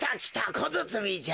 こづつみじゃ！